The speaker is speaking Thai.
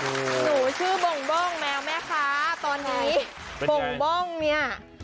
หนูชื่อบ่งแมวแม่ค้าตอนนี้บ่งเนี่ย